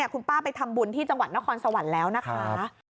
คุณป้าไปทำบุญที่จังหวัดนครสวรรค์แล้วนะคะ